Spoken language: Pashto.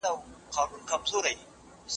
ژوند د مرګ په پرتله ډیر درد لري.